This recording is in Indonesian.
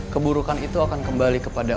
keburukan itu akan kembali kepada